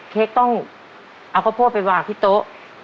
เค้กต้องเอาข้าวโพดไปวางที่โต๊ะ